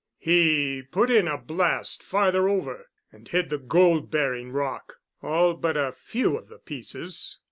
He put in a blast farther over and hid the gold bearing rock—all but a few of the pieces.